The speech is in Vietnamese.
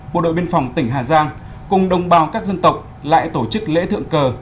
bộ đội biên phòng tỉnh hà giang cùng đồng bào các dân tộc lại tổ chức lễ thượng cờ